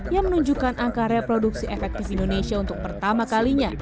yang menunjukkan angka reproduksi efektif indonesia untuk pertama kalinya